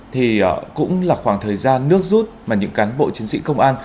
thì cũng là khoảng thời gian nước rút mà những cán bộ chiến sĩ công an